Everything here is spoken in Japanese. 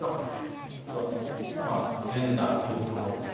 えとまあそのジェンダー平等ですね。